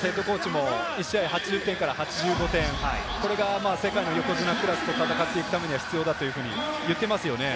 ホーバスＨＣも１試合８０点から８５点、これが世界の横綱クラスと戦っていくために必要だと言っていますよね。